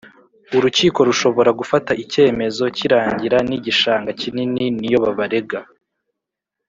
Urukiko rushobora gufata icyemezo cy irangira n igishanga kinini niyo babarega